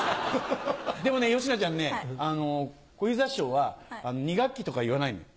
でもよしなちゃんね小遊三師匠は二学期とか言わないのよ。